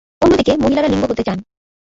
অন্যদিকে, মহিলারা লিঙ্গ হতে চান।